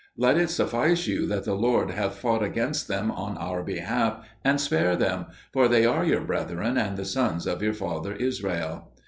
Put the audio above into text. Let it suffice you that the Lord hath fought against them on our behalf, and spare them, for they are your brethren and the sons of your father Israel."